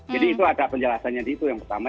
jadi itu ada penjelasannya di situ yang pertama